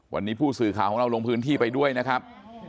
วันนี้ผู้สื่อข่าวของเราลงพื้นที่ไปด้วยนะครับ